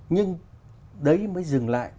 nhưng đấy mới dừng lại